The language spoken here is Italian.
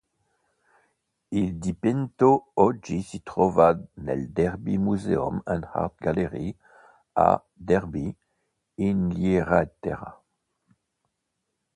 Il dipinto oggi si trova nel Derby Museum and Art Gallery, a Derby, Inghilterra.